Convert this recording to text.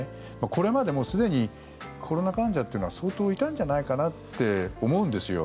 これまでもすでにコロナ患者というのは相当いたんじゃないかなって思うんですよ。